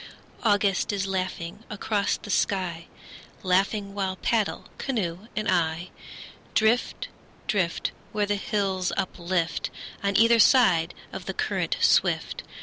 August is laughing across the sky, Laughing while paddle, canoe and I, Drift, drift, Where the hills uplift On either side of the current swift.